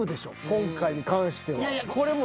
今回に関しては。